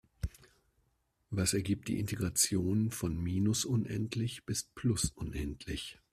Was ergibt die Integration von minus unendlich bis plus unendlich?